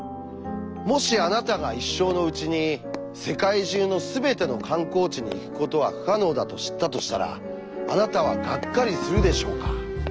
もしあなたが一生のうちに世界中のすべての観光地に行くことは不可能だと知ったとしたらあなたはがっかりするでしょうか？